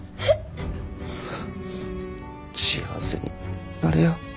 幸せになれよ。